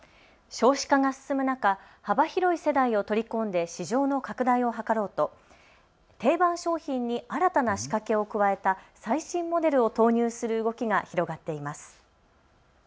少子化が進む中、幅広い世代を取り込んで市場の拡大を図ろうと定番商品に新たな仕掛けを加えた最新モデルを投入する動きが広がっています。